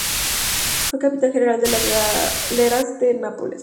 Fue capitán general de las Galeras de Nápoles.